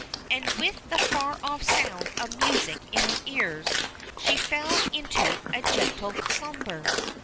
And with the far off sound of music in her ears, she fell into a gentle slumber.